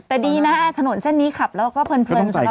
แต่ดีนะถนนเส้นนี้ขับแล้วก็เพลินสำหรับคนชอบกันไง